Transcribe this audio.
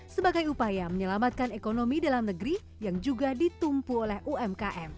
sebagai upaya menyelamatkan ekonomi dalam negeri yang juga ditumpu oleh umkm